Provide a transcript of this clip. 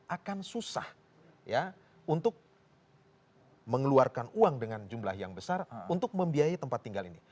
akan susah ya untuk mengeluarkan uang dengan jumlah yang besar untuk membiayai tempat tinggal ini